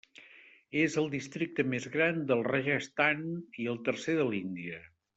És el districte més gran del Rajasthan i el tercer de l'Índia.